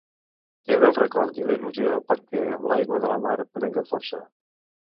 Queda el record i la il·lusió perquè amb l'aigua de la mar prenga força.